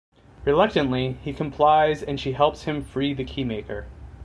Reluctantly, he complies and she helps him free the Keymaker.